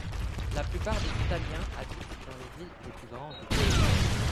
La plupart des Italiens habitent dans les villes les plus grandes.